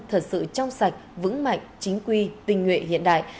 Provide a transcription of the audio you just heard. thật sự trong sạch vững mạnh chính quy tình nguyện hiện đại